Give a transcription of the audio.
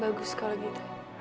wah bagus kalau gitu